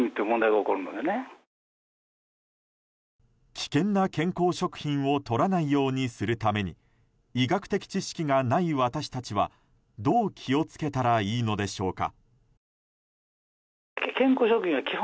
危険な健康食品をとらないようにするために医学的知識がない私たちはどう気をつけたらいいのでしょうか。